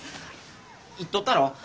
言っとったろ？